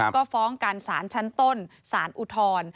ก็ฟ้องกันสารชั้นต้นสารอุทธร